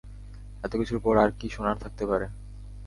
এতকিছুর পর আর কী শোনার থাকতে পারে?